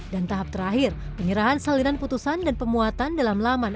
dan tahap terakhir penyerahan salinan putusan dan pemuatan dalam laman mk